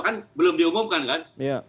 kan belum diumumkan kan